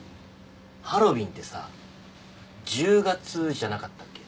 ハロウィーンってさ１０月じゃなかったっけ？